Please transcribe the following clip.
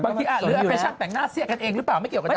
บางทีอาจเลือกไปช้างแต่งหน้าเสี้ยกันเองหรือเปล่าไม่เกี่ยวดารา